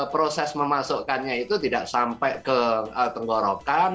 proses memasukkannya itu tidak sampai ke tenggorokan